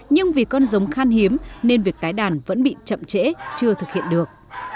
nhưng vì con giống khan hiếm nên việc tái đàn vẫn bị chậm trễ chưa thực hiện được